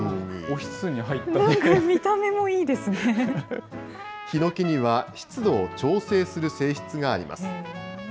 ヒノキには湿度を調整する性質があります。